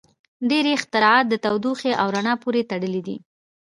• ډیری اختراعات د تودوخې او رڼا پورې تړلي دي.